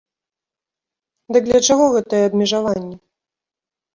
Дык для чаго гэтыя абмежаванні?